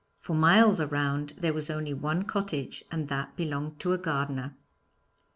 For miles round there was only one cottage and that belonged to a gardener.